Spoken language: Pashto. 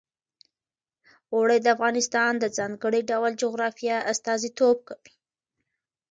اوړي د افغانستان د ځانګړي ډول جغرافیه استازیتوب کوي.